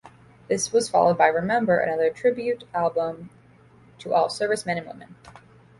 This was followed by "Remember", another tribute album to all servicemen and women.